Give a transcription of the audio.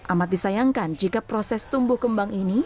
amat disayangkan jika proses tumbuh kembang ini